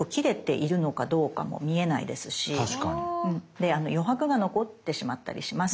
で余白が残ってしまったりします。